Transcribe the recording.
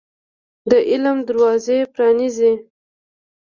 د علم دروازي پرانيزۍ